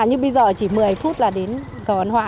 nhưng bây giờ chỉ một mươi phút là đến cầu an hòa